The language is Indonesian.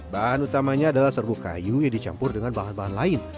bahan utamanya adalah serbuk kayu yang dicampur dengan bahan bahan lain